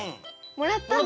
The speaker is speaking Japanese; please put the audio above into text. もらったの？